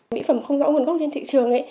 nếu không rõ nguồn gốc trên thị trường